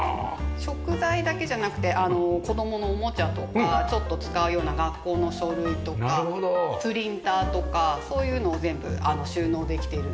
食材だけじゃなくて子供のおもちゃとかちょっと使うような学校の書類とかプリンターとかそういうのを全部収納できているので。